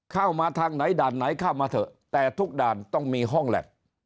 เข้ามาทางไหนด่านไหนเข้ามาเถอะแต่ทุกด่านต้องมีห้องแล็บ